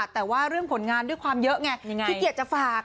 แต่ว่าเรื่องผลงานด้วยความเยอะไงขี้เกียจจะฝาก